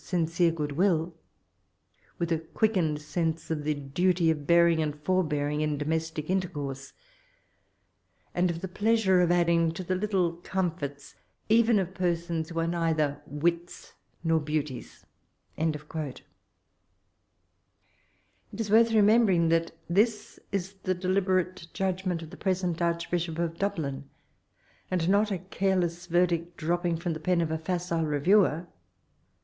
I cere good will ; with a qoickeoed seDse of the daty of bearing and for bearing in domestic iDtercoaFse, and of the pleasore of adding to the little comforts even of persons who ere neither wits nor beauties.^' It is worth remembering that this is tl^e deliberate judgment of the preseiit Archbishop of Dablin, and not a careless verdict dropping from the pen of a facile reviewer.